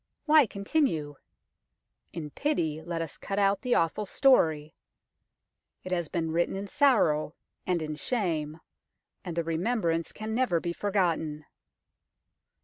Why continue ? In pity, let us cut out the awful story. It has been written in sorrow and in shame, and the remembrance can never be forgotten.